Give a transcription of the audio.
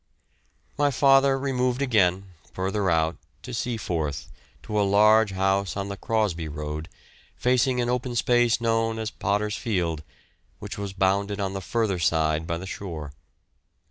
My father removed again, further out, to Seaforth, to a large house on the Crosby Road, facing an open space known as "Potter's Field," which was bounded on the further side by the shore.